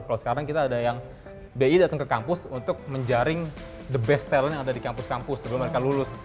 kalau sekarang kita ada yang bi datang ke kampus untuk menjaring the best talent yang ada di kampus kampus sebelum mereka lulus